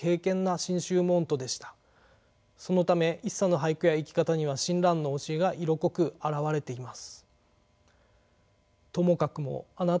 そのため一茶の俳句や生き方には親鸞の教えが色濃く表れています。